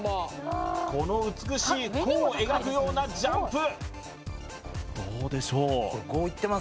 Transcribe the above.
この美しい弧を描くようなジャンプどうでしょう